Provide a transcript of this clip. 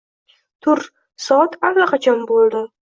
- Tur, soat allaqachon bo'ldi...